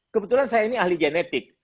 kebetulan saya ini ahli genetik